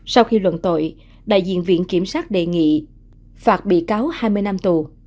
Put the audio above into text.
sau khi luận tội đại diện viện kiểm sát đề nghị phạt bị cáo hai mươi năm tù